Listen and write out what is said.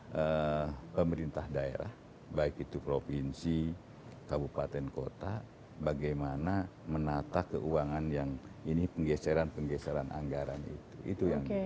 dari pemerintah daerah baik itu provinsi kabupaten kota bagaimana menata keuangan yang ini penggeseran penggeseran anggaran itu yang